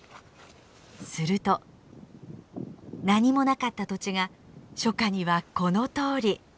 すると何もなかった土地が初夏にはこのとおり。